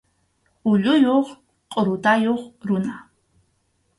Ulluyuq qʼurutayuq runa.